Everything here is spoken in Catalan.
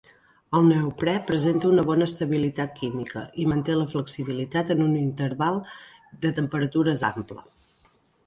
El neoprè presenta una bona estabilitat química i manté la flexibilitat en un interval de temperatures ample.